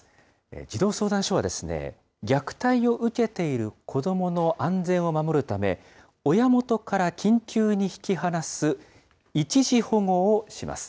児童相談所は、虐待を受けている子どもの安全を守るため、親元から緊急に引き離す一時保護をします。